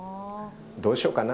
どうしようかな？